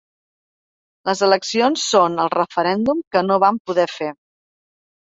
Les eleccions són el referèndum que no vam poder fer.